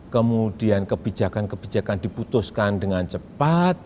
kemudian kebijakan kebijakan diputuskan dengan cepat